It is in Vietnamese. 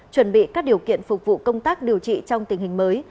chuẩn bị các điều kiện phục vụ công tác điều trị trong tình hình mới